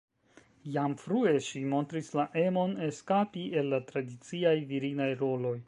Jam frue ŝi montris la emon eskapi el la tradiciaj virinaj roloj.